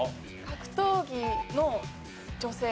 格闘技の女性。